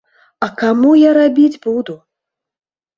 А каму я рабіць буду?!